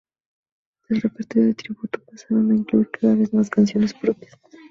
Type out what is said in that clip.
Del repertorio de tributo, pasaron a incluir cada vez más canciones propias.